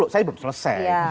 saya belum selesai